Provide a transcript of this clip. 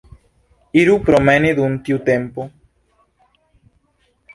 Iru promeni dum tiu tempo.